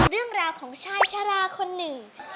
เรื่องราวของชายชะลาคนหนึ่ง